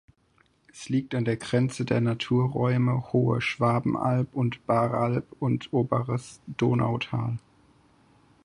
Es liegt an der Grenze der Naturräume Hohe Schwabenalb und Baaralb und Oberes Donautal.